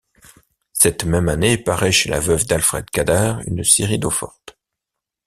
Cette même année, paraît chez la veuve d'Alfred Cadart une série d'eaux-fortes.